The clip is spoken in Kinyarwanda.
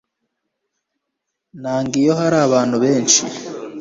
Nanga iyo hari abantu benshi